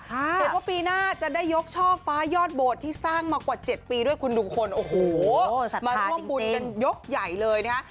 เห็นว่าปีหน้าจะได้ยกช่อฟ้ายอดโบสถ์ที่สร้างมากว่า๗ปีด้วยคุณดูคนโอ้โหมาร่วมบุญกันยกใหญ่เลยนะฮะ